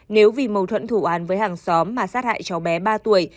nếu vì mâu thuẫn thủ án với hàng xóm mà sát hại cháu bé ba tuổi